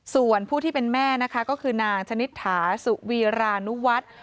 ส่วนผู้ที่เป็นแม่นะคะก็คือนางชนิษฐาสุวีรานุวัฒน์